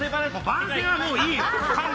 番宣はもういいよ！